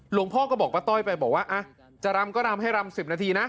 หลวงพ่อก็บอกป้าต้อยไปบอกว่าจะรำก็รำให้รำ๑๐นาทีนะ